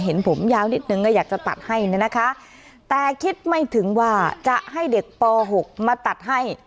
เห็นผมยาวนิดนึงก็อยากจะตัดให้เนี่ยนะคะแต่คิดไม่ถึงว่าจะให้เด็กป๖มาตัดให้